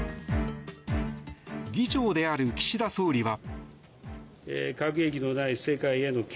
議長である岸田総理は。